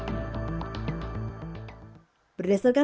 berdasarkan data sistem pos pada andini respon klb dinas kesehatan provinsi riau